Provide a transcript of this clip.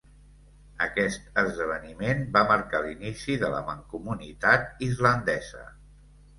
Aquest esdeveniment va marcar l'inici de la Mancomunitat islandesa.